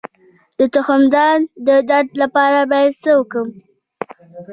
د تخمدان د درد لپاره باید څه وکړم؟